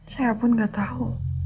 saya pun gak tahu